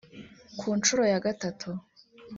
Ku nshuro ya gatatu